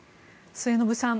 末延さん